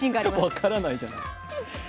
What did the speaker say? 分からないじゃない。